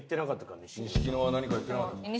錦野は何か言ってなかったか？